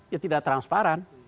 ya tidak transparan